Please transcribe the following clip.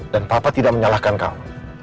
dan papa tidak menyalahkan kamu